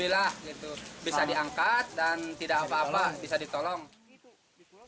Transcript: bisa diangkat dan tidak apa apa bisa ditolong